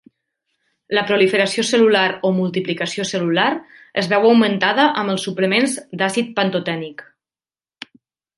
La proliferació cel·lular o multiplicació cel·lular es veu augmentada amb els suplements d'àcid pantotènic.